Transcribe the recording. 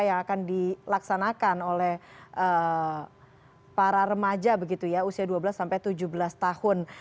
yang akan dilaksanakan oleh para remaja begitu ya usia dua belas tujuh belas tahun